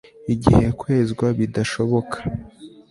igihe kwezwa bidashoboka